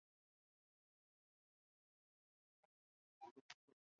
圣叙尔皮克和卡梅拉克。